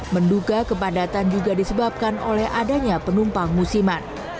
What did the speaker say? menduga kepadatan juga disebabkan oleh adanya penumpang musiman